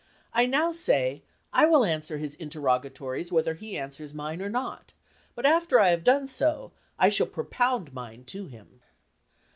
"I now say I will answer his interrogatories whether he answers mine or not; but after I have done so, I shall propound mine to him."